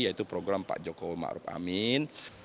yaitu program pak jokowi maruf amin